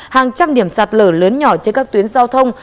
hàng trăm điểm sạt lở lớn nhỏ trên các tuyến giao thông